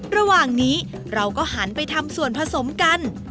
ระหว่างนี้เราก็หันไปทำส่วนผสมกัน